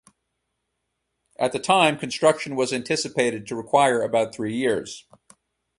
At that time, construction was anticipated to require about three years.